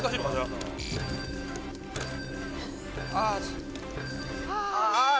ああ。